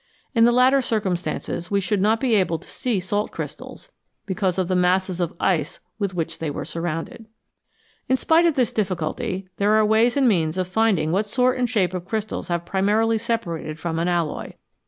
In the latter circumstances we should not be able to see the salt crystals because of the masses of ice with which they were surrounded. In spite of this difficulty, there are ways and means of finding what sort and shape of crystals have primarily separated from an alloy.